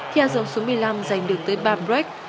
hạ dùng số một mươi năm giành được tới ba break